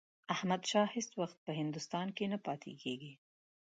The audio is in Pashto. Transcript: احمدشاه هیڅ وخت په هندوستان کې نه پاتېږي.